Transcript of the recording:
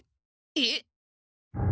えっ。